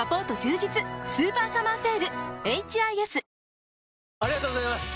「氷結」ありがとうございます！